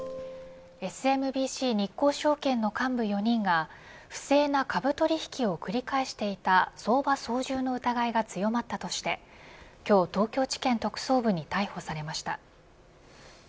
ＳＭＢＣ日興証券の幹部４人が不正な株取引を繰り返していた相場操縦の疑いが強まったとして今日、東京地検特捜部に逮捕されました。